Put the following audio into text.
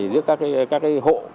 giữa các hộ